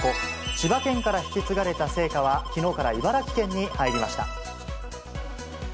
千葉県から引き継がれた聖火は、きのうから茨城県に入りました。